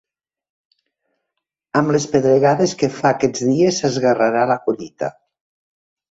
Amb les pedregades que fa aquests dies s'esguerrarà la collita.